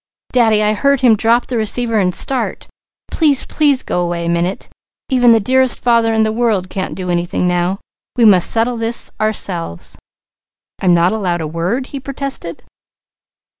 Daddy, I heard him drop the receiver and start. Please, please go away a minute. Even the dearest father in the world can't do anything now! We must settle this ourselves." "I'm not to be allowed a word?" he protested.